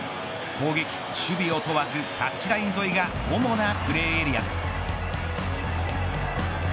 攻撃、守備を問わずタッチライン沿いが主なプレーエリアです。